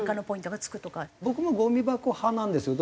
僕もごみ箱派なんですよ。